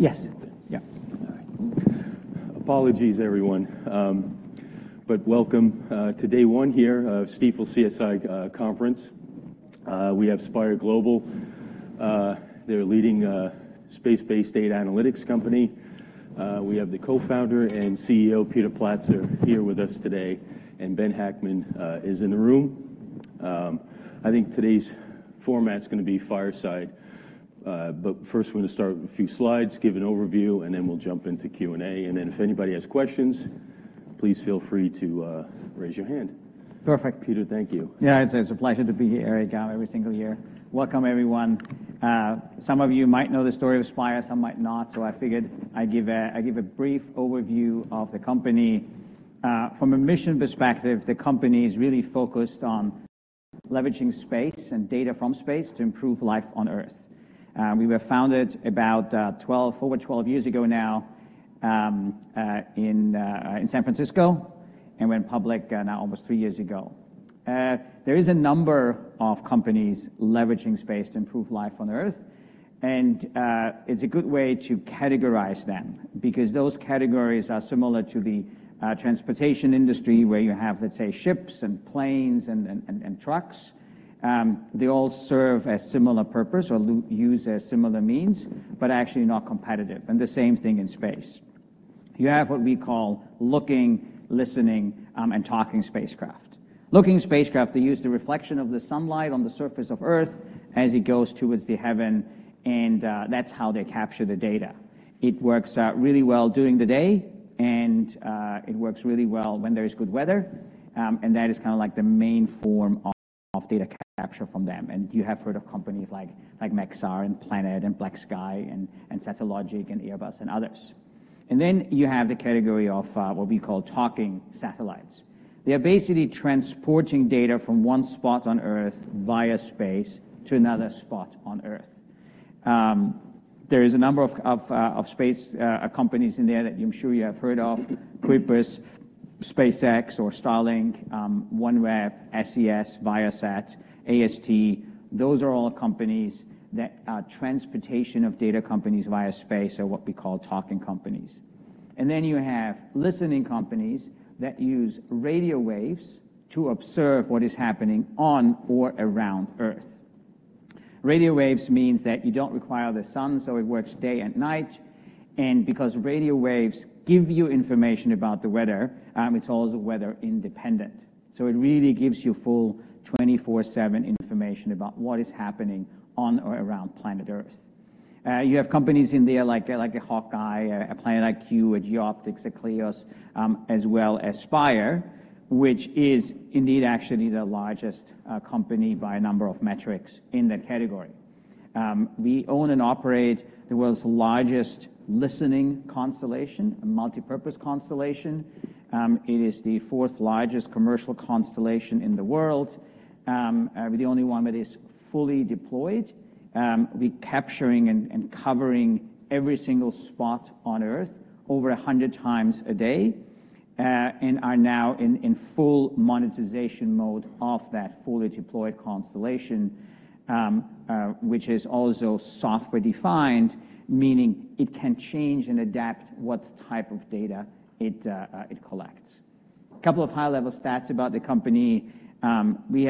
Yes. Yeah. All right. Apologies, everyone. But welcome to day one here of Stifel CSI Conference. We have Spire Global. They're a leading space-based data analytics company. We have the Co-founder and CEO, Peter Platzer, here with us today, and Ben Hackman is in the room. I think today's format's gonna be fireside, but first, we're gonna start with a few slides, give an overview, and then we'll jump into Q&A. And then if anybody has questions, please feel free to raise your hand. Perfect. Peter, thank you. Yeah, it's, it's a pleasure to be here, Erik, every single year. Welcome, everyone. Some of you might know the story of Spire, some might not, so I figured I'd give a, I'd give a brief overview of the company. From a mission perspective, the company is really focused on leveraging space and data from space to improve life on Earth. We were founded about, 12, over 12 years ago now, in, in San Francisco, and went public now almost 3 years ago. There is a number of companies leveraging space to improve life on Earth, and, it's a good way to categorize them because those categories are similar to the, transportation industry, where you have, let's say, ships and planes and trucks. They all serve a similar purpose or used as similar means, but actually not competitive, and the same thing in space. You have what we call looking, listening, and talking spacecraft. Looking spacecraft, they use the reflection of the sunlight on the surface of Earth as it goes towards the heaven, and that's how they capture the data. It works out really well during the day, and it works really well when there is good weather, and that is kinda like the main form of data capture from them. And you have heard of companies like, like Maxar and Planet and BlackSky and Satellogic and Airbus and others. And then you have the category of what we call talking satellites. They are basically transporting data from one spot on Earth, via space, to another spot on Earth. There is a number of space companies in there that I'm sure you have heard of: Kuiper, SpaceX or Starlink, OneWeb, SES, Viasat, AST. Those are all companies that are transportation of data companies via space or what we call talking companies. And then you have listening companies that use radio waves to observe what is happening on or around Earth. Radio waves means that you don't require the sun, so it works day and night, and because radio waves give you information about the weather, it's also weather independent. So it really gives you full 24/7 information about what is happening on or around planet Earth. You have companies in there like a HawkEye, a PlanetIQ, a GeoOptics, a Kleos, as well as Spire, which is indeed actually the largest company by a number of metrics in that category. We own and operate the world's largest listening constellation, a multipurpose constellation. It is the fourth largest commercial constellation in the world, the only one that is fully deployed. We're capturing and covering every single spot on Earth over 100 times a day, and are now in full monetization mode of that fully deployed constellation, which is also software-defined, meaning it can change and adapt what type of data it collects. A couple of high-level stats about the company. We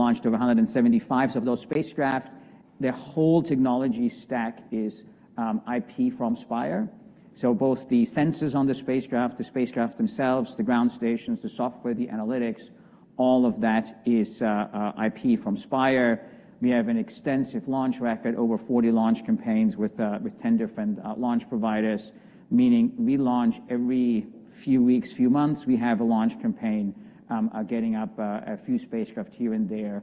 have launched over 175 of those spacecraft. The whole technology stack is IP from Spire. So both the sensors on the spacecraft, the spacecraft themselves, the ground stations, the software, the analytics, all of that is IP from Spire. We have an extensive launch record, over 40 launch campaigns with 10 different launch providers, meaning we launch every few weeks, few months, we have a launch campaign, getting up a few spacecraft here and there,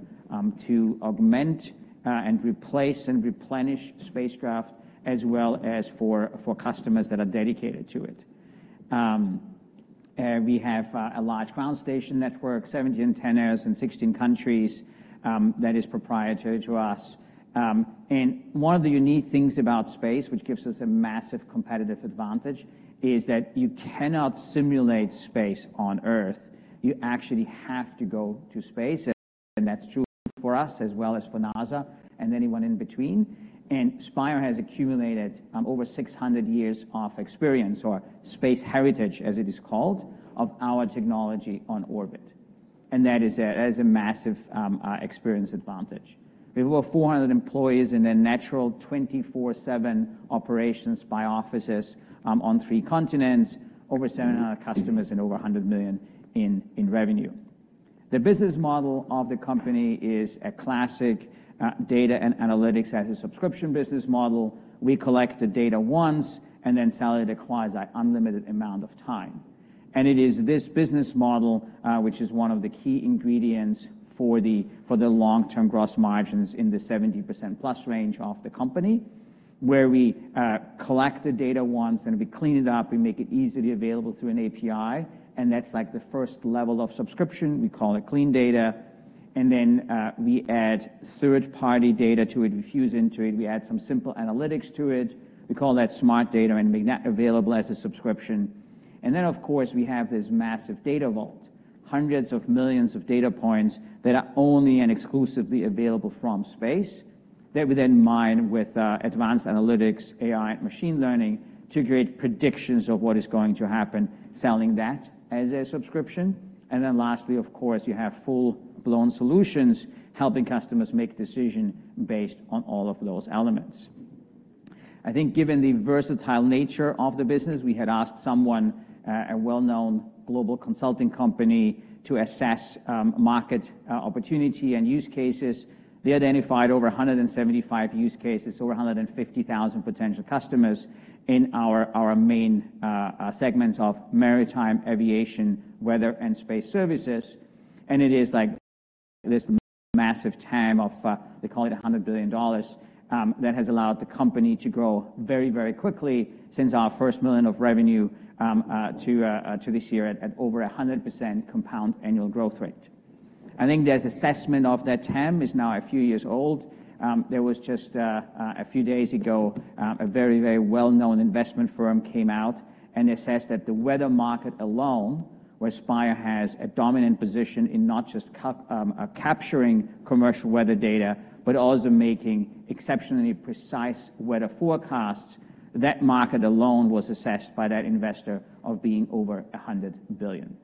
to augment and replace and replenish spacecraft, as well as for customers that are dedicated to it. We have a large ground station network, 17 antennas in 16 countries, that is proprietary to us. And one of the unique things about space, which gives us a massive competitive advantage, is that you cannot simulate space on Earth. You actually have to go to space, and that's true for us as well as for NASA and anyone in between. Spire has accumulated over 600 years of experience or space heritage, as it is called, of our technology on orbit, and that is a, that is a massive experience advantage. We have over 400 employees in a natural 24/7 operations by offices on three continents, over 700 customers and over $100 million in revenue. The business model of the company is a classic data and analytics as a subscription business model. We collect the data once and then sell it across an unlimited amount of time. It is this business model, which is one of the key ingredients for the long-term gross margins in the 70%+ range of the company, where we collect the data once and we clean it up, we make it easily available through an API, and that's like the first level of subscription. We call it clean data, and then we add third-party data to it, fuse into it, we add some simple analytics to it. We call that smart data and make that available as a subscription. And then, of course, we have this massive data vault. Hundreds of millions of data points that are only and exclusively available from space, that we then mine with advanced analytics, AI, and machine learning to create predictions of what is going to happen, selling that as a subscription. And then lastly, of course, you have full-blown solutions, helping customers make decision based on all of those elements. I think given the versatile nature of the business, we had asked someone, a well-known global consulting company, to assess market opportunity and use cases. They identified over 175 use cases, over 150,000 potential customers in our main segments of maritime, aviation, weather, and space services. And it is like this massive TAM of, they call it $100 billion, that has allowed the company to grow very, very quickly since our first $1 million of revenue, to this year at over 100% compound annual growth rate. I think their assessment of that TAM is now a few years old. There was just a few days ago a very, very well-known investment firm came out and assessed that the weather market alone, where Spire has a dominant position in not just capturing commercial weather data, but also making exceptionally precise weather forecasts. That market alone was assessed by that investor of being over $100 billion.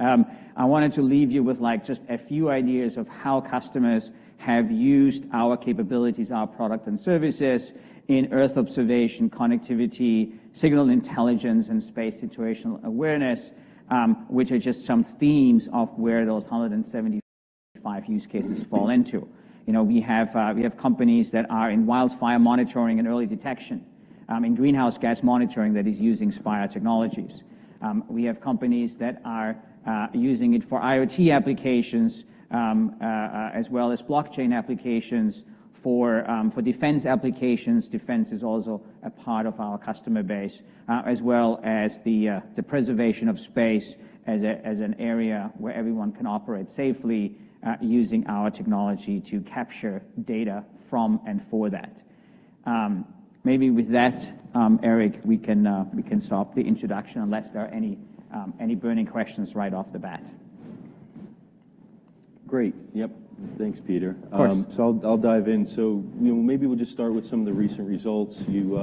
I wanted to leave you with, like, just a few ideas of how customers have used our capabilities, our product and services in Earth observation, connectivity, signals intelligence, and space situational awareness, which are just some themes of where those 175 use cases fall into. You know, we have companies that are in wildfire monitoring and early detection, in greenhouse gas monitoring that is using Spire technologies. We have companies that are using it for IoT applications, as well as blockchain applications for defense applications. Defense is also a part of our customer base, as well as the preservation of space as an area where everyone can operate safely, using our technology to capture data from and for that. Maybe with that, Erik, we can stop the introduction unless there are any burning questions right off the bat. Great. Yep. Thanks, Peter. Of course. So I'll dive in. So, you know, maybe we'll just start with some of the recent results. You,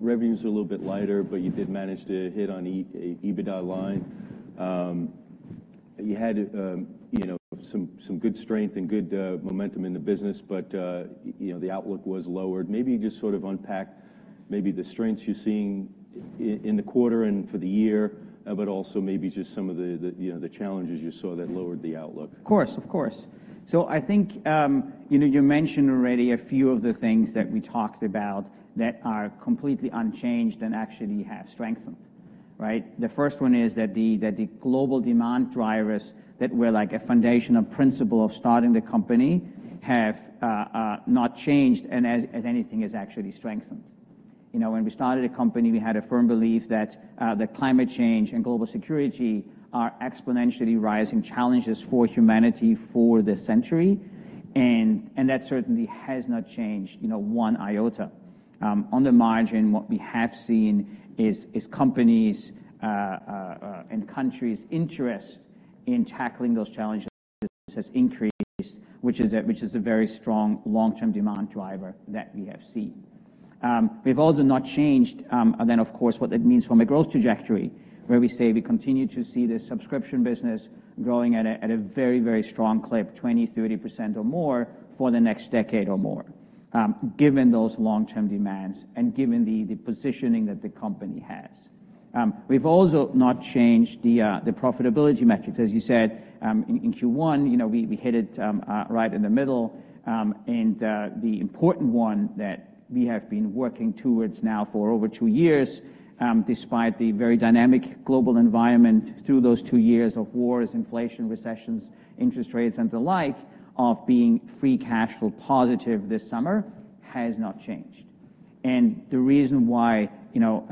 revenue's a little bit lighter, but you did manage to hit on EBITDA line. You had, you know, some good strength and good momentum in the business, but you know, the outlook was lowered. Maybe just sort of unpack maybe the strengths you're seeing in the quarter and for the year, but also maybe just some of the, you know, the challenges you saw that lowered the outlook. Of course, of course. So I think, you know, you mentioned already a few of the things that we talked about that are completely unchanged and actually have strengthened, right? The first one is that the global demand drivers that were like a foundational principle of starting the company have and, if anything, has actually strengthened. You know, when we started the company, we had a firm belief that climate change and global security are exponentially rising challenges for humanity for this century, and that certainly has not changed, you know, one iota. On the margin, what we have seen is companies' and countries' interest in tackling those challenges has increased, which is a very strong long-term demand driver that we have seen. We've also not changed, and then, of course, what that means from a growth trajectory, where we say we continue to see the subscription business growing at a very, very strong clip, 20%-30% or more, for the next decade or more, given those long-term demands and given the positioning that the company has. We've also not changed the profitability metrics. As you said, in Q1, you know, we hit it right in the middle. And the important one that we have been working towards now for over two years, despite the very dynamic global environment through those two years of wars, inflation, recessions, interest rates, and the like, of being free cash flow positive this summer, has not changed. And the reason why, you know,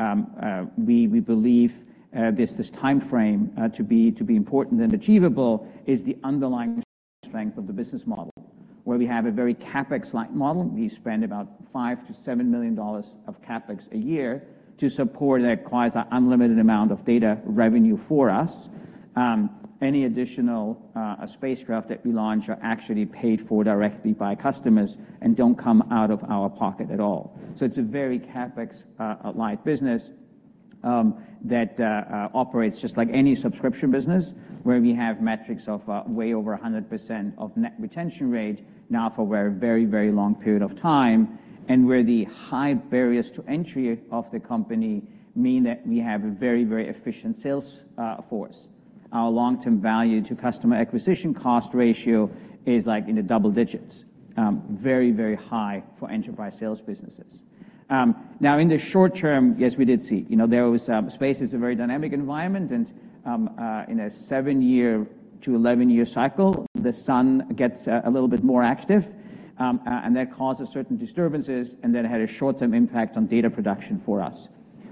we believe this time frame to be important and achievable is the underlying strength of the business model, where we have a very CapEx-like model. We spend about $5 million-$7 million of CapEx a year to support that quasi unlimited amount of data revenue for us. Any additional spacecraft that we launch are actually paid for directly by customers and don't come out of our pocket at all. So it's a very CapEx light business that operates just like any subscription business, where we have metrics of way over 100% of net retention rate now for a very, very long period of time, and where the high barriers to entry of the company mean that we have a very, very efficient sales force. Our long-term value to customer acquisition cost ratio is, like, in the double digits. Very, very high for enterprise sales businesses. Now, in the short term, yes, we did see. You know, there was, Space is a very dynamic environment, and, in a 7-year to 11-year cycle, the sun gets, a little bit more active, and that causes certain disturbances, and that had a short-term impact on data production for us,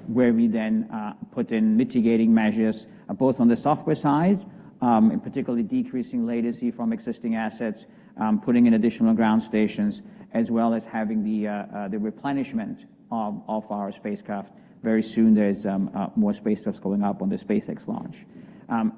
where we then, put in mitigating measures, both on the software side, and particularly decreasing latency from existing assets, putting in additional ground stations, as well as having the, the replenishment of, of our spacecraft. Very soon, there's, more spacecraft going up on the SpaceX launch.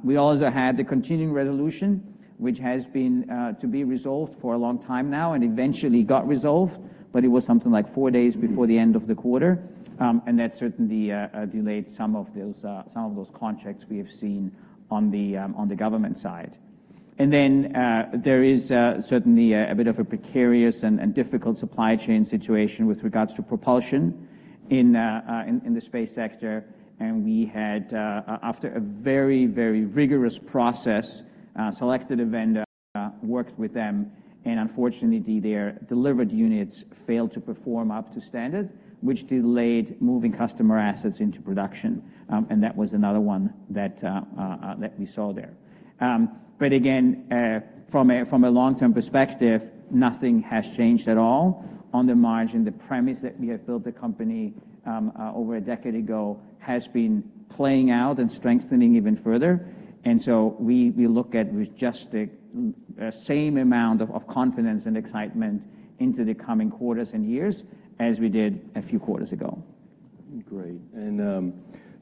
We also had the Continuing Resolution, which has been to be resolved for a long time now and eventually got resolved, but it was something like 4 days before the end of the quarter. And that certainly delayed some of those contracts we have seen on the government side. Then there is certainly a bit of a precarious and difficult supply chain situation with regards to propulsion in the space sector. We had, after a very rigorous process, selected a vendor, worked with them, and unfortunately, their delivered units failed to perform up to standard, which delayed moving customer assets into production. And that was another one that we saw there. But again, from a long-term perspective, nothing has changed at all. On the margin, the premise that we have built the company over a decade ago has been playing out and strengthening even further. And so we look at with just the same amount of confidence and excitement into the coming quarters and years as we did a few quarters ago. Great.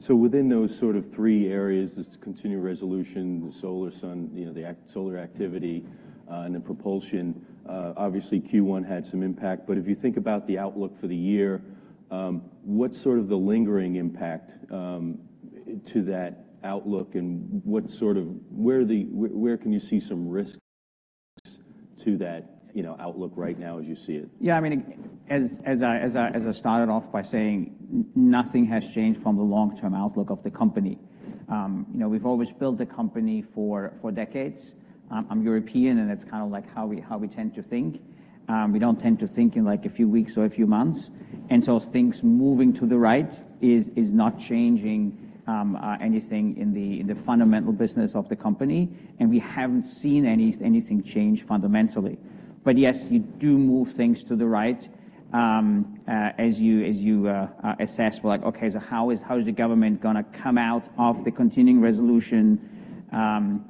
So within those sort of three areas, the continuing resolution, the solar storm, you know, solar activity, and the propulsion, obviously, Q1 had some impact. But if you think about the outlook for the year, what's sort of the lingering impact to that outlook, and what sort of, where can you see some risks to that, you know, outlook right now as you see it? Yeah, I mean, as I started off by saying, nothing has changed from the long-term outlook of the company. You know, we've always built the company for decades. I'm European, and that's kinda like how we tend to think. We don't tend to think in, like, a few weeks or a few months. And so things moving to the right is not changing anything in the fundamental business of the company, and we haven't seen anything change fundamentally. But yes, you do move things to the right, as you assess, we're like, "Okay, so how is the government gonna come out of the Continuing Resolution?"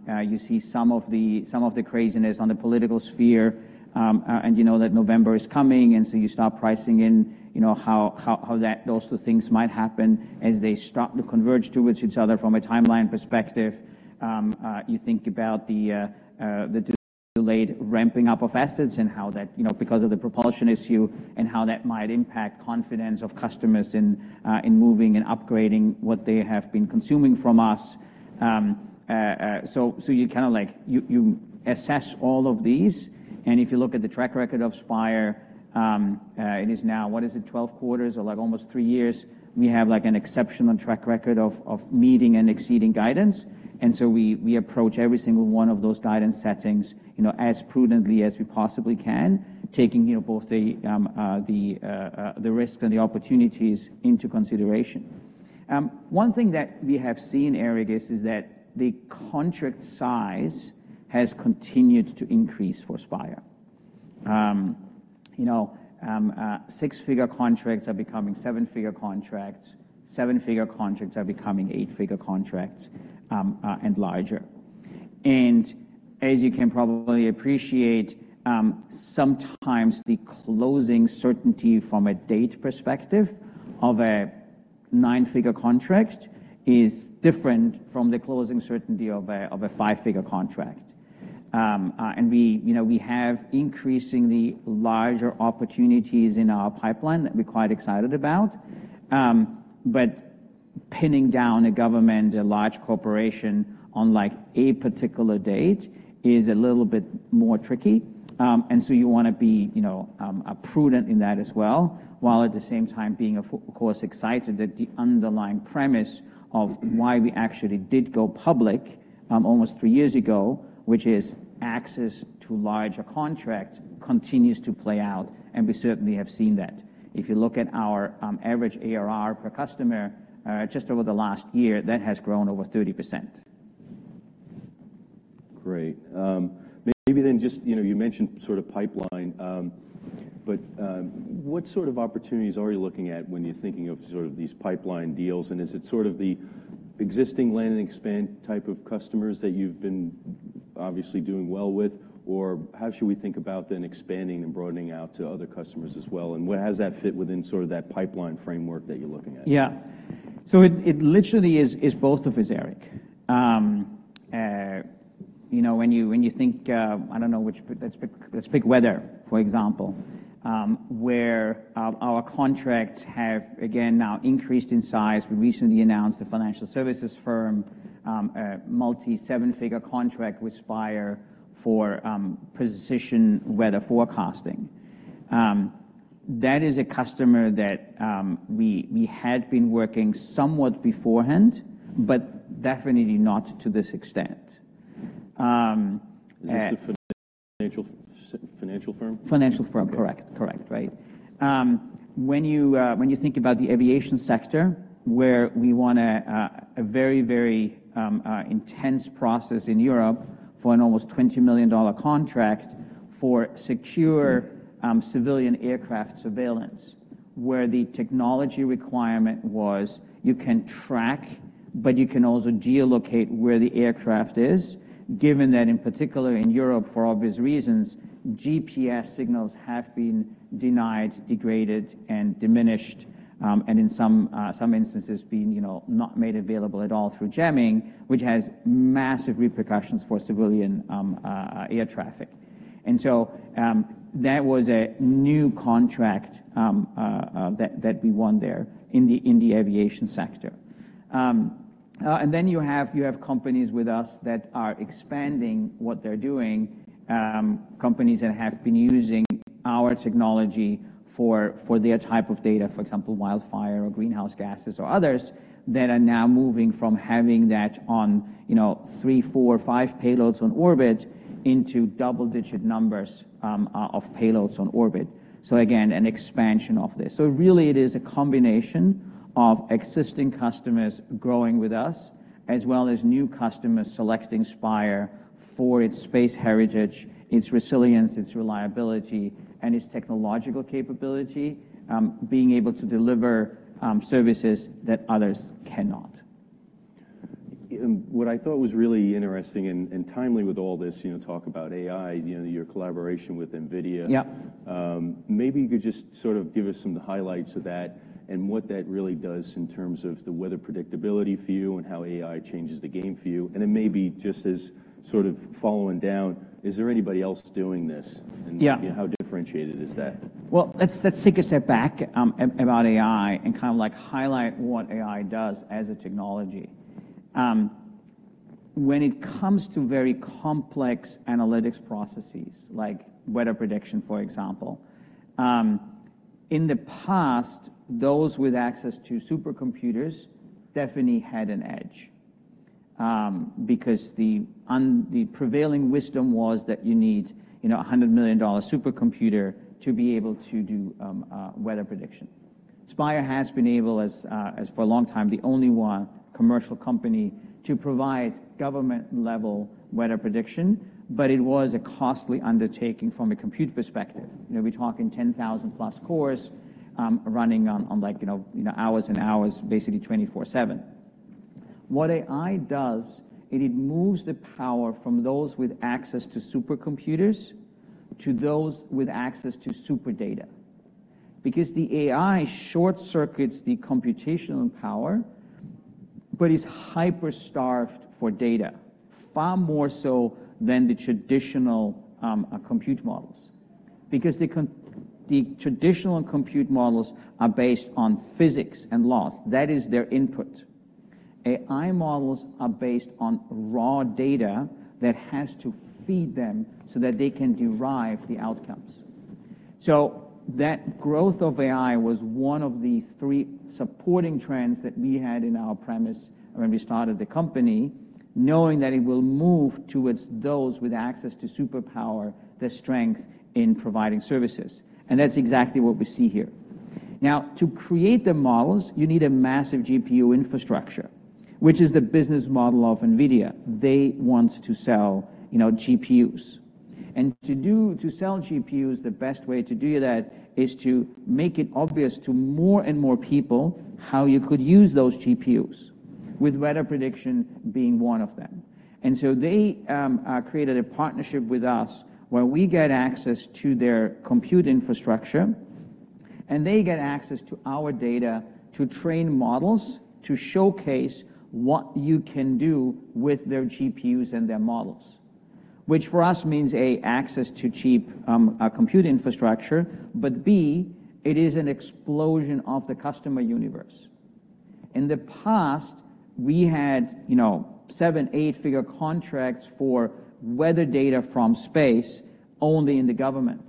You see some of the craziness on the political sphere, and you know that November is coming, and so you start pricing in, you know, how those two things might happen as they start to converge with each other from a timeline perspective. You think about the delayed ramping up of assets and how that, you know, because of the propulsion issue, and how that might impact confidence of customers in moving and upgrading what they have been consuming from us. So you kinda like you assess all of these, and if you look at the track record of Spire, it is now, what is it? 12 quarters or, like, almost three years, we have, like, an exceptional track record of meeting and exceeding guidance. And so we approach every single one of those guidance settings, you know, as prudently as we possibly can, taking, you know, both the risk and the opportunities into consideration. One thing that we have seen, Erik, is that the contract size has continued to increase for Spire. You know, six-figure contracts are becoming seven-figure contracts. Seven-figure contracts are becoming eight-figure contracts, and larger. As you can probably appreciate, sometimes the closing certainty from a date perspective of a nine-figure contract is different from the closing certainty of a five-figure contract. We, you know, we have increasingly larger opportunities in our pipeline that we're quite excited about. But pinning down a government, a large corporation, on, like, a particular date is a little bit more tricky. And so you wanna be, you know, prudent in that as well, while at the same time being, of course, excited that the underlying premise of why we actually did go public, almost three years ago, which is access to larger contracts, continues to play out, and we certainly have seen that. If you look at our average ARR per customer, just over the last year, that has grown over 30%. Great. Maybe then just, you know, you mentioned sort of pipeline. But, what sort of opportunities are you looking at when you're thinking of sort of these pipeline deals? And is it sort of the existing land and expand type of customers that you've been obviously doing well with? Or how should we think about then expanding and broadening out to other customers as well, and what- how does that fit within sort of that pipeline framework that you're looking at? Yeah. So it literally is both of us, Erik. You know, when you think, I don't know which, but let's pick weather, for example, where our contracts have, again, now increased in size. We recently announced a financial services firm, a multi-seven-figure contract with Spire for precision weather forecasting. That is a customer that we had been working somewhat beforehand, but definitely not to this extent. Is this the financial firm? Financial firm. Correct. Correct. Correct, right. When you think about the aviation sector, where we won a very, very intense process in Europe for an almost $20 million contract for secure civilian aircraft surveillance... where the technology requirement was, you can track, but you can also geolocate where the aircraft is, given that in particular in Europe, for obvious reasons, GPS signals have been denied, degraded, and diminished, and in some instances being, you know, not made available at all through jamming, which has massive repercussions for civilian air traffic. And so, that was a new contract, that we won there in the aviation sector. And then you have, you have companies with us that are expanding what they're doing, companies that have been using our technology for, for their type of data, for example, wildfire or greenhouse gases or others, that are now moving from having that on, you know, three, four, or five payloads on orbit into double-digit numbers of payloads on orbit. So again, an expansion of this. So really it is a combination of existing customers growing with us, as well as new customers selecting Spire for its space heritage, its resilience, its reliability, and its technological capability, being able to deliver services that others cannot. What I thought was really interesting and timely with all this, you know, talk about AI, you know, your collaboration with NVIDIA. Maybe you could just sort of give us some of the highlights of that and what that really does in terms of the weather predictability for you and how AI changes the game for you. And then maybe just as sort of following down, is there anybody else doing this? How differentiated is that? Well, let's take a step back about AI and kind of like highlight what AI does as a technology. When it comes to very complex analytics processes, like weather prediction, for example, in the past, those with access to supercomputers definitely had an edge, because the prevailing wisdom was that you need, you know, a $100 million supercomputer to be able to do weather prediction. Spire has been able, as for a long time, the only one commercial company to provide government-level weather prediction, but it was a costly undertaking from a compute perspective. You know, we're talking 10,000+ cores, running on like, you know, hours and hours, basically 24/7. What AI does, it moves the power from those with access to supercomputers to those with access to super data. Because the AI short-circuits the computational power, but is hyper starved for data, far more so than the traditional, compute models. Because the traditional compute models are based on physics and laws. That is their input. AI models are based on raw data that has to feed them so that they can derive the outcomes. So that growth of AI was one of the three supporting trends that we had in our premise when we started the company, knowing that it will move towards those with access to superpower, the strength in providing services. And that's exactly what we see here. Now, to create the models, you need a massive GPU infrastructure, which is the business model of NVIDIA. They want to sell, you know, GPUs. To sell GPUs, the best way to do that is to make it obvious to more and more people how you could use those GPUs, with weather prediction being one of them. And so they created a partnership with us where we get access to their compute infrastructure, and they get access to our data to train models to showcase what you can do with their GPUs and their models. Which for us means, A, access to cheap compute infrastructure, but B, it is an explosion of the customer universe. In the past, we had, you know, seven, eight-figure contracts for weather data from space only in the government,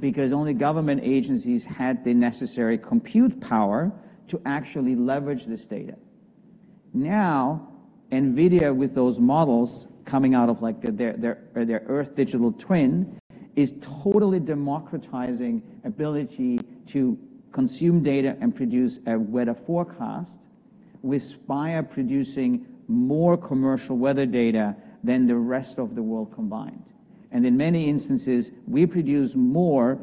because only government agencies had the necessary compute power to actually leverage this data. Now, NVIDIA, with those models coming out of, like, their Earth digital twin, is totally democratizing ability to consume data and produce a weather forecast with Spire producing more commercial weather data than the rest of the world combined. And in many instances, we produce more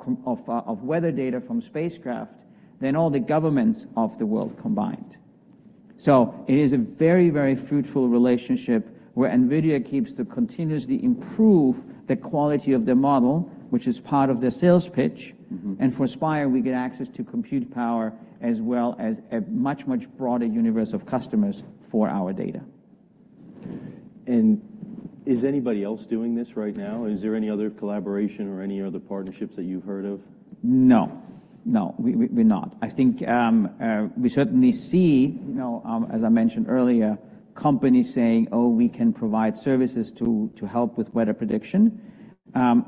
commercial weather data from spacecraft than all the governments of the world combined. So it is a very, very fruitful relationship where NVIDIA keeps to continuously improve the quality of their model, which is part of their sales pitch. And for Spire, we get access to compute power as well as a much, much broader universe of customers for our data. Is anybody else doing this right now? Is there any other collaboration or any other partnerships that you've heard of? No. No, we're not. I think, we certainly see, you know, as I mentioned earlier, companies saying, "Oh, we can provide services to help with weather prediction,"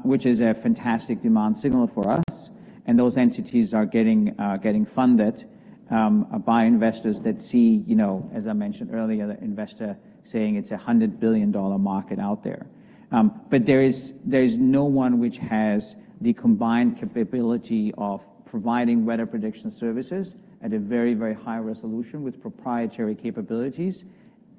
which is a fantastic demand signal for us, and those entities are getting funded by investors that see, you know, as I mentioned earlier, the investor saying it's a $100 billion market out there. But there is no one which has the combined capability of providing weather prediction services at a very, very high resolution with proprietary capabilities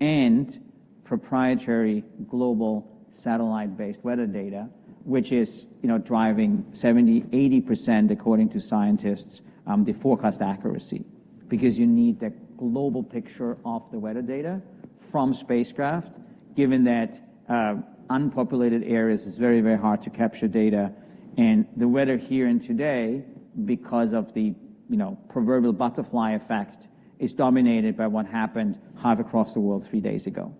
and proprietary global satellite-based weather data, which is, you know, driving 70%-80%, according to scientists, the forecast accuracy. Because you need the global picture of the weather data from spacecraft, given that unpopulated areas, it's very, very hard to capture data. The weather here and today, because of the, you know, proverbial Butterfly Effect, is dominated by what happened halfway across the world three days ago.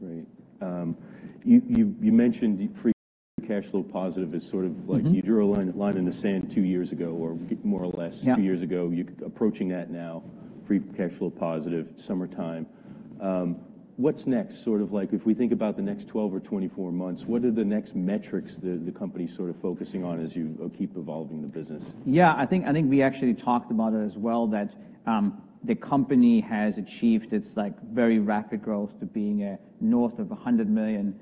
Great. You mentioned free cash flow positive as sort of like. You drew a line, line in the sand two years ago, or more or less two years ago. You're approaching that now, free cash flow positive, summertime. What's next? Sort of like, if we think about the next 12 or 24 months, what are the next metrics the company is sort of focusing on as you keep evolving the business? Yeah, I think, I think we actually talked about it as well, that the company has achieved its, like, very rapid growth to being north of $100 million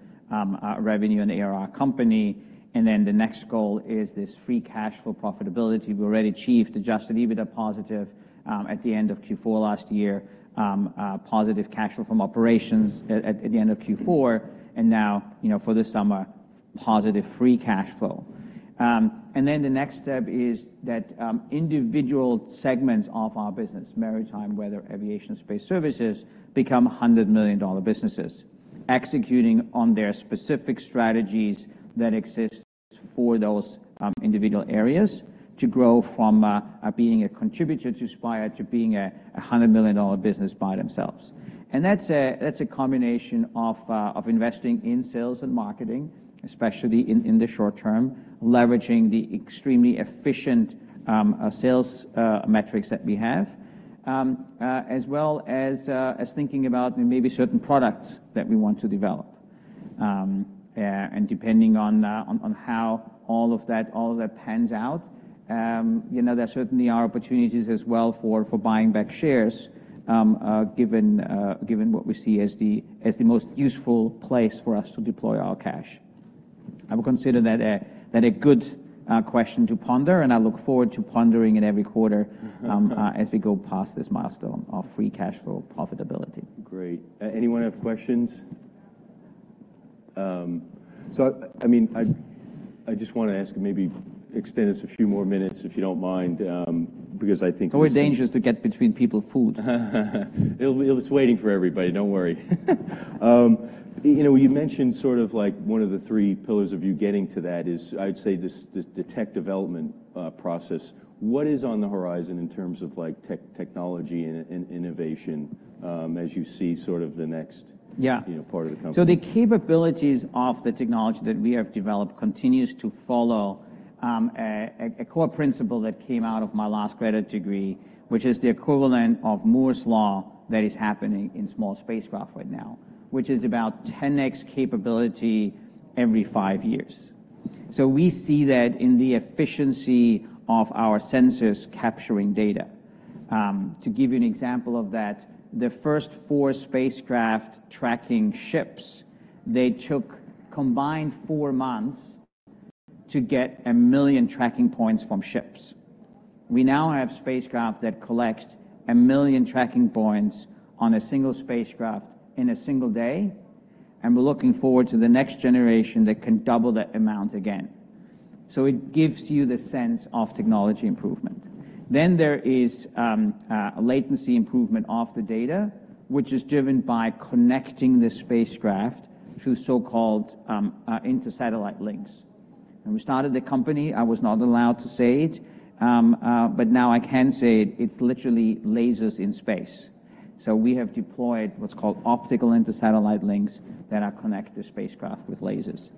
revenue and ARR company. And then the next goal is this free cash flow profitability. We've already achieved adjusted EBITDA positive at the end of Q4 last year, positive cash flow from operations at the end of Q4, and now, you know, for this summer, positive free cash flow. And then the next step is that individual segments of our business, maritime, weather, aviation, and space services, become $100 million businesses, executing on their specific strategies that exist for those individual areas to grow from being a contributor to Spire, to being a $100 million business by themselves. And that's a combination of investing in sales and marketing, especially in the short term, leveraging the extremely efficient sales metrics that we have. As well as thinking about maybe certain products that we want to develop. And depending on how all of that pans out, you know, there certainly are opportunities as well for buying back shares, given what we see as the most useful place for us to deploy our cash. I would consider that a good question to ponder, and I look forward to pondering it every quarter as we go past this milestone of free cash flow profitability. Great. Anyone have questions? So I mean, I just want to ask, maybe extend us a few more minutes, if you don't mind, because I think. It's always dangerous to get between people and food. It'll be. It's waiting for everybody. Don't worry. You know, you mentioned sort of like, one of the three pillars of you getting to that is, I'd say, this tech development process. What is on the horizon in terms of, like, technology and innovation, as you see sort of the next, you know, part of the company? So the capabilities of the technology that we have developed continues to follow a core principle that came out of my last graduate degree, which is the equivalent of Moore's Law that is happening in small spacecraft right now, which is about 10x capability every 5 years. So we see that in the efficiency of our sensors capturing data. To give you an example of that, the first 4 spacecraft-tracking ships, they took combined 4 months to get 1 million tracking points from ships. We now have spacecraft that collect 1 million tracking points on a single spacecraft in a single day, and we're looking forward to the next generation that can double that amount again. So it gives you the sense of technology improvement. Then there is latency improvement of the data, which is driven by connecting the spacecraft through so-called intersatellite links. When we started the company, I was not allowed to say it, but now I can say it. It's literally lasers in space. So we have deployed what's called optical intersatellite links that connect the spacecraft with lasers.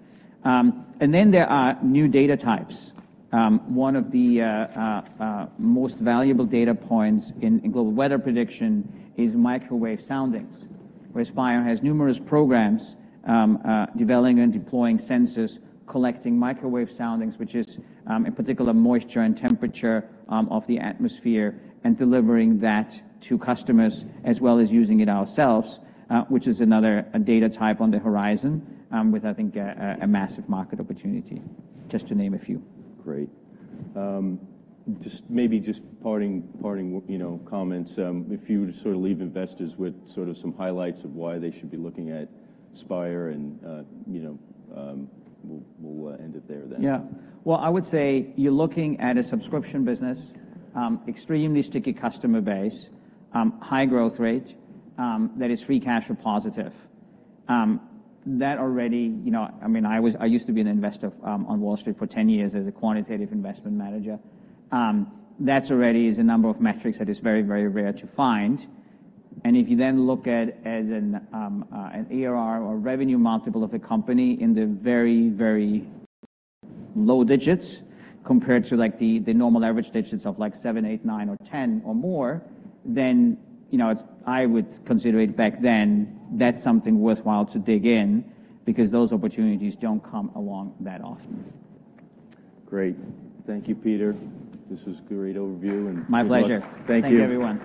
And then there are new data types. One of the most valuable data points in global weather prediction is microwave soundings, where Spire has numerous programs developing and deploying sensors, collecting microwave soundings, which is, in particular, moisture and temperature of the atmosphere, and delivering that to customers, as well as using it ourselves, which is another a data type on the horizon, with, I think, a massive market opportunity, just to name a few. Great. Just maybe parting, you know, comments, if you would sort of leave investors with sort of some highlights of why they should be looking at Spire and, you know, we'll end it there then. Yeah. Well, I would say you're looking at a subscription business, extremely sticky customer base, high growth rate, that is free cash flow positive. That already, you know... I mean, I was—I used to be an investor on Wall Street for 10 years as a quantitative investment manager. That already is a number of metrics that is very, very rare to find. And if you then look at as an, an ARR or revenue multiple of the company in the very, very low digits compared to, like, the, the normal average digits of, like, seven, eight, nine, or 10, or more, then, you know, it's. I would consider it back then, that's something worthwhile to dig in, because those opportunities don't come along that often. Great. Thank you, Peter. This was a great overview, and. My pleasure. Thank you. Thanks, everyone.